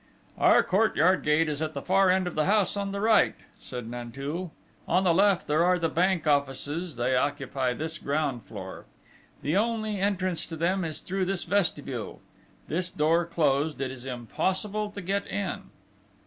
"Our courtyard gate is at the far end of the house, on the right," said Nanteuil. "On the left, there are the Bank offices: they occupy this ground floor. The only entrance to them is through this vestibule. This door closed, it is impossible to get in."